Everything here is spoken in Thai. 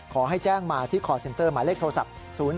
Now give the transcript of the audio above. ขอให้แจ้งมาที่คอร์เซ็นเตอร์หมายเลขโทรศัพท์๐๔